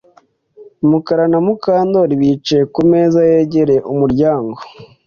Mukara na Mukandoli bicaye ku meza yegereye umuryango